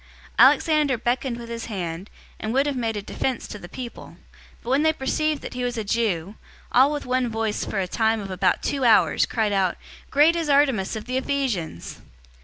Alexander beckoned with his hand, and would have made a defense to the people. 019:034 But when they perceived that he was a Jew, all with one voice for a time of about two hours cried out, "Great is Artemis of the Ephesians!"